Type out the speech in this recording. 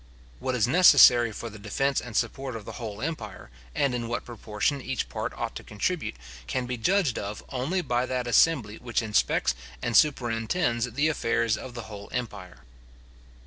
What is necessary for the defence and support of the whole empire, and in what proportion each part ought to contribute, can be judged of only by that assembly which inspects and super intends the affairs of the whole empire.